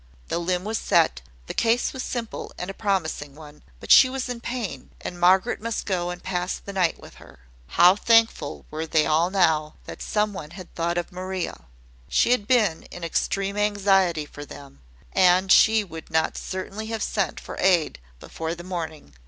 The limb was set, the case was a simple and promising one; but she was in pain, and Margaret must go and pass the night with her. How thankful were they all now, that some one had thought of Maria! She had been in extreme anxiety for them; and she would not certainly have sent for aid before the morning.